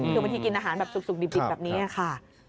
ถือวันที่กินอาหารสุขดิบแบบนี้ค่ะ